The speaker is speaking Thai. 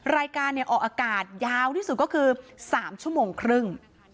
รายการออกอากาศยาวที่สุดก็คือ๓ชั่วโมงครึ่ง